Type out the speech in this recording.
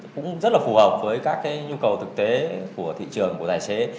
cũng rất là phù hợp với các cái nhu cầu thực tế của thị trường của tài xế